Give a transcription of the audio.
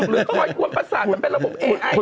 เป็นไงกระดุกเป็นไงอะไร